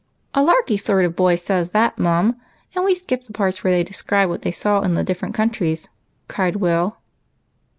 "" A larky sort of a boy says that, Mum, and we fikij^ the parts where they describe what they saw in the different countries," cried Will.